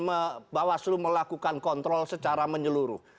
dan bahwa selalu melakukan kontrol secara menyeluruh